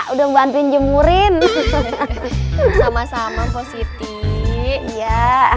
udah membantuin jemurin sama sama posisi ya